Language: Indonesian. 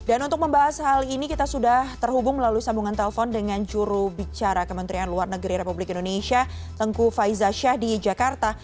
dan untuk membahas hal ini kita sudah terhubung melalui sambungan telepon dengan jurubicara kementerian luar negeri republik indonesia tengku faizah syah di jakarta